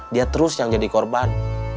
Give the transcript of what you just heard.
dia terus yang jadi korban